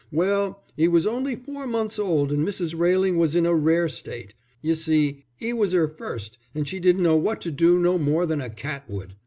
Well, 'e was only four months old and Mrs. Railing was in a rare state. You see, 'e was 'er first and she didn't know what to do no more than a cat would.